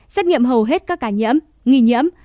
xét nghiệm hầu hết các ca nhiễm nghi nhiễm